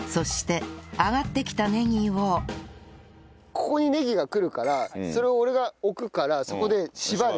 ここにねぎが来るからそれを俺が置くからそこで縛る。